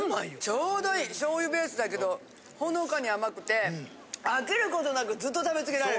丁度いい醤油ベースだけどほのかに甘くて飽きることなくずっと食べ続けられる。